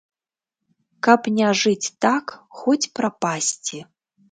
Каб не жыць так, хоць прапасці.